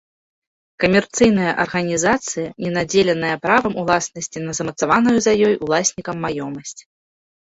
Камерцыйная арганізацыя, не надзеленая правам уласнасці на замацаваную за ёй уласнікам маёмасць.